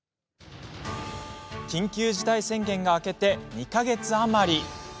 緊急事態宣言が明けて２か月余り。